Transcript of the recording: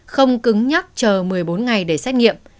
không cứng nhắc chờ một mươi bốn ngày để xét nghiệm